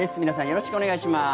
よろしくお願いします。